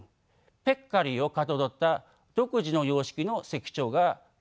ペッカリーをかたどった独自の様式の石彫が出土しているだけです。